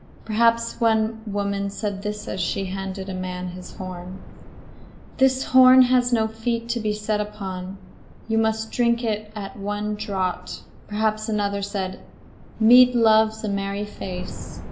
Perhaps one woman said as she handed a man his horn: "This horn has no feet to be set down upon. You must drink it at one draught." Perhaps another said: "Mead loves a merry face."